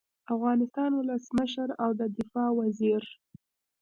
د افغانستان ولسمشر او د دفاع وزیر